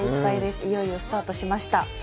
いよいよスタートしました。